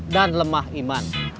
dan lemah iman